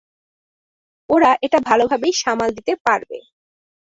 ওরা এটা ভালোভাবেই সামাল দিতে পারবে।